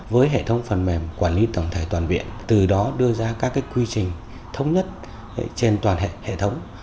với hệ thống phần mềm quản lý tổng thể toàn viện từ đó đưa ra các quy trình thống nhất trên toàn hệ thống